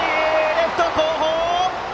レフト後方！